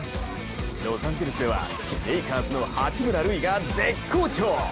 ロサンゼルスでは、レイカーズの八村塁が絶好調。